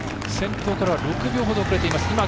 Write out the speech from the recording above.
先頭からは６秒ほどくれています。